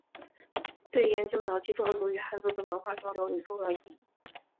对研究早期壮族与汉族的文化交流有重要意义。